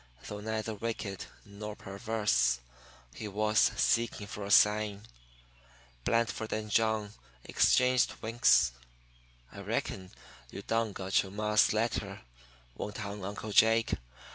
Though neither wicked nor perverse, he was seeking for a sign. Blandford and John exchanged winks. "I reckon you done got you ma's letter," went on Uncle Jake.